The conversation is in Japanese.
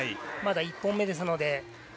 まだ１本目ですので。